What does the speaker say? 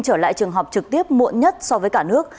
trở lại trường học trực tiếp muộn nhất so với cả nước